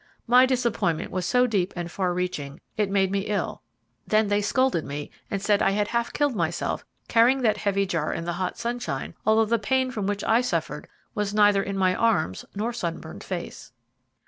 My disappointment was so deep and far reaching it made me ill then they scolded me, and said I had half killed myself carrying that heavy jar in the hot sunshine, although the pain from which I suffered was neither in my arms nor sunburned face.